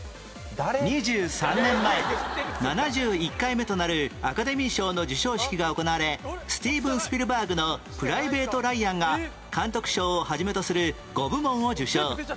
２３年前７１回目となるアカデミー賞の授賞式が行われスティーブン・スピルバーグの『プライベート・ライアン』が監督賞をはじめとする５部門を受賞